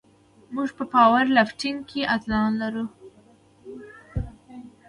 موږ په پاور لفټینګ کې اتلان لرو.